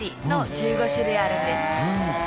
１５種類あるんです。